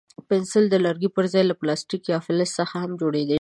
پنسل د لرګي پر ځای له پلاستیک یا فلز څخه هم جوړېدای شي.